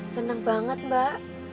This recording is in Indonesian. seneng banget mbak